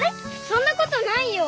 そんなことないよ。